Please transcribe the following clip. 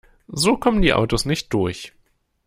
So kommen die Autos nicht durch.